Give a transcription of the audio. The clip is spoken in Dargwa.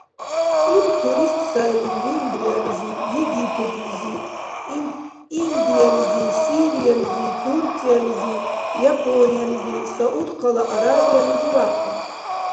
Ил турист сайлин Венгриялизи, Египетлизи, Индиялизи, Сириялизи, Турциялизи, Япониялизи, Саудхъала Аравиялизи вякьун.